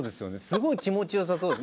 すごい気持ちよさそう。